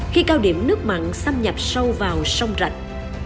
khi cao điểm nước mặn xâm nhập sâu vào sông rạch